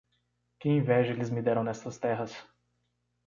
Que inveja eles me deram nestas terras!